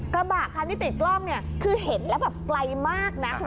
กระบะคันที่ติดกล้องเนี่ยคือเห็นแล้วแบบไกลมากนะคุณ